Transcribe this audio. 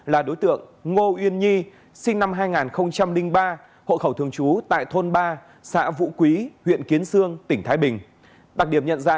là đối tượng ngô uyên nhi sinh năm hai nghìn ba hộ khẩu thường trú tại thôn ba xã vũ quý huyện kiến sương tỉnh thái bình